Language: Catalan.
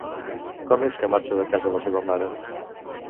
Com és que marxa de casa la seva mare?